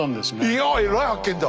いやえらい発見だ！